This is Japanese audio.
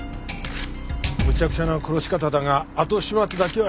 むちゃくちゃな殺し方だが後始末だけはしっかりしている。